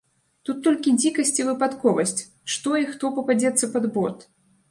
Тут толькі дзікасць і выпадковасць, што і хто пападзецца пад бот?!